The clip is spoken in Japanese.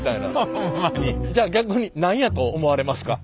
じゃあ逆に何やと思われますか？